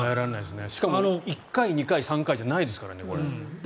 しかも１回、２回３回じゃないですからね。